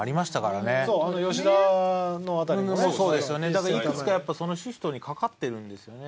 だからいくつかそのシフトに掛かってるんですよね。